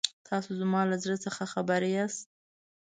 تاسو زما له زړه څخه خبر یاست.